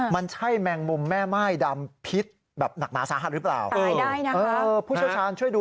มันใช่แมงมุมแม่ม่ายดำพิษแบบหนักมาสาหัสหรือเปล่าได้นะพี่ช่วยดู